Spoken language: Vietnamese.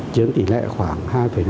trường kỷ lệ khoảng hai năm